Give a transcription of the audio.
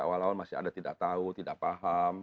awal awal masih ada tidak tahu tidak paham